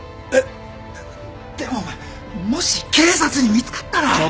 えっでもお前もし警察に見つかったら。